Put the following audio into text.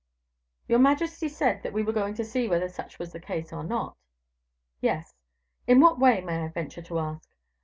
"Your majesty said that we were going to see whether such was the case, or not." "Yes." "In what way, may I venture to ask?"